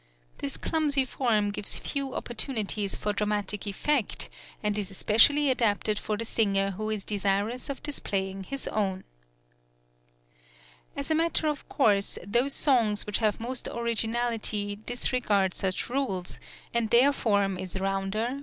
This clumsy form gives few opportunities for dramatic effect, and is especially adapted for the singer who is desirous of displaying his own, As a matter of course, those songs which have most originality disregard such rules, and their form is rounder, {THE FIRST OPERA IN VIENNA.